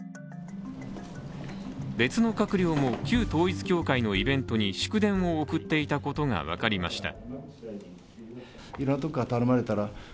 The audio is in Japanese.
別の閣僚も旧統一教会のイベントに祝電を送っていたことが分かりました。